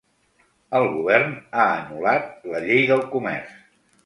El govern ha anul·lat la llei del comerç.